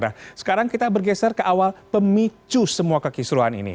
nah sekarang kita bergeser ke awal pemicu semua kekisruhan ini